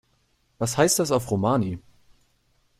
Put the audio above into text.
Was heißt das auf Romani?